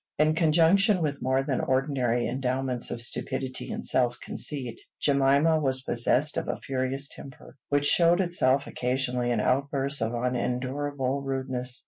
In conjunction with more than ordinary endowments of stupidity and self conceit, Jemima was possessed of a furious temper, which showed itself occasionally in outbursts of unendurable rudeness.